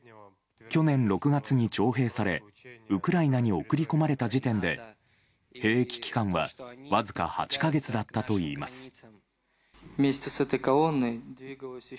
去年６月に徴兵されウクライナに送り込まれた時点で兵役期間はわずか８か月だったといいます。